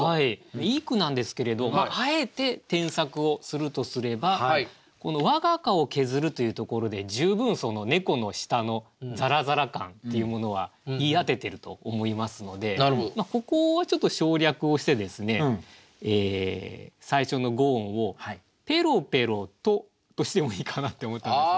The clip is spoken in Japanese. いい句なんですけれどあえて添削をするとすればこの「我が顔削る」というところで十分猫の舌のザラザラ感っていうものは言い当ててると思いますのでここをちょっと省略をしてですね最初の５音を「ぺろぺろと」としてもいいかなって思ったんですね。